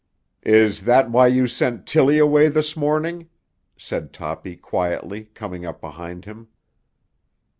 "Is that why you sent Tilly away this morning?" said Toppy quietly, coming up behind him.